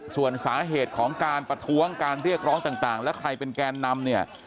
ส่วนสาเหตุของการประท้วงการเรียกร้องต่างและใครเป็นแกนนำเนี่ย